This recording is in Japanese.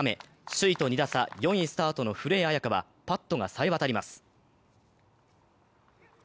首位と２打差、４位スタートの古江彩佳はパットがさえ渡ります。